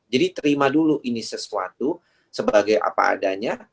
terima dulu ini sesuatu sebagai apa adanya